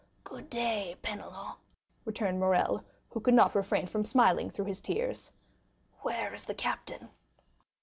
"Good day, Penelon," returned Morrel, who could not refrain from smiling through his tears, "where is the captain?"